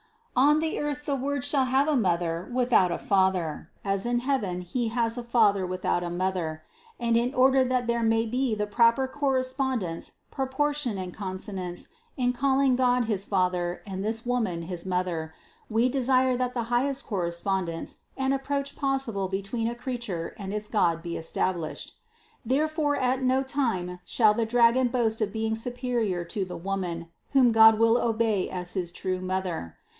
194. "On earth the Word shall have a Mother with out a father, as in heaven He has a Father without a mother. And in order that there may be the proper cor respondence, proportion and consonance in calling God his Father and this Woman his Mother, We desire that the highest correspondence and approach possible between a creature and its God be established. Therefore at no time shall the dragon boast of being superior to the Woman, whom God will obey as his true Mother.